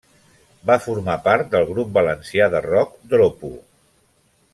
Va formar part del grup valencià de rock Dropo.